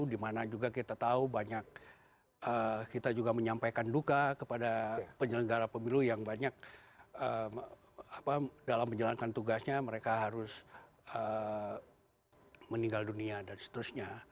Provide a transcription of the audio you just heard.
dimana juga kita tahu banyak kita juga menyampaikan duka kepada penyelenggara pemilu yang banyak dalam menjalankan tugasnya mereka harus meninggal dunia dan seterusnya